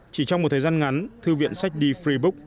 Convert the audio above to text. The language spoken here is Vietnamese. chỉ trong một thời gian ngắn thư viện sách the free book